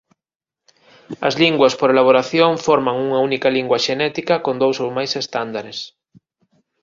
As linguas por elaboración forman unha única lingua xenética con dous ou máis estándares.